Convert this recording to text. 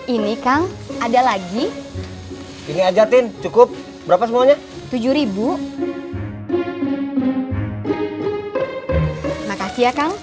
ini kang ada lagi ini ajarin cukup berapa semuanya tujuh ribu makasih ya kang